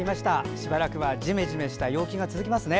しばらくはジメジメした陽気が続きますね。